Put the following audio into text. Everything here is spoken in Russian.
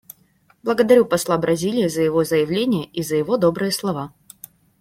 Благодарю посла Бразилии за его заявление и за его добрые слова.